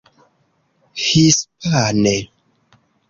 hispane